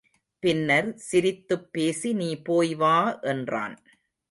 பின்னர் சிரித்துப் பேசி நீ போய் வா என்றான்.